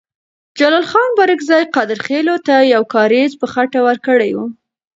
جلال خان بارکزی قادرخیلو ته یو کارېز په خټه ورکړی وو.